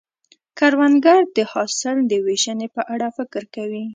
کروندګر د حاصل د ویشنې په اړه فکر کوي